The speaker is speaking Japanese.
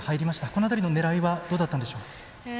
その辺りの狙いはどうだったんでしょうか？